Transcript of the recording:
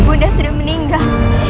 bunda sudah meninggal